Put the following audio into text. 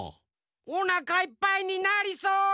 おなかいっぱいになりそう。